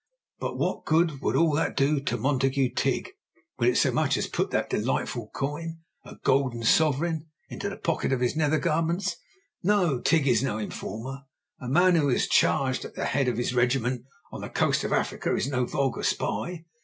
But what good would all that do Montague Tigg? Will it so much as put that delightful coin, a golden sovereign, in the pocket of his nether garments? No, Tigg is no informer; a man who has charged at the head of his regiment on the coast of Africa is no vulgar spy.